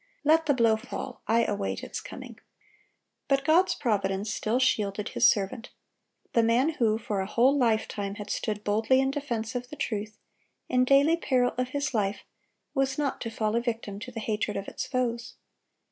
Let the blow fall, I await its coming."(122) But God's providence still shielded His servant. The man who for a whole lifetime had stood boldly in defense of the truth, in daily peril of his life, was not to fall a victim to the hatred of its foes.